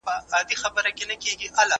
باید د ټولنې له کمزورو طبقو سره تل مرسته وشي.